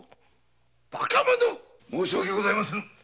ばかもの‼申し訳ございません。